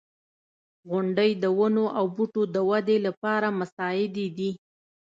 • غونډۍ د ونو او بوټو د ودې لپاره مساعدې دي.